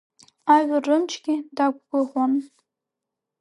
Ажәлар рымчгьы дақәгәыӷуан.